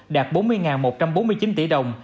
đạt bốn mươi một trăm bốn mươi chín tỷ đồng